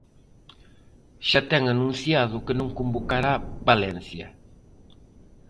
Xa ten anunciado que non convocará Valencia.